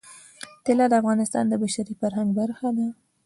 طلا د افغانستان د بشري فرهنګ برخه ده.